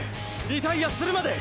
リタイアするまで！！